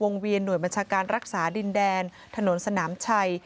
เวียนหน่วยบัญชาการรักษาดินแดนถนนสนามชัย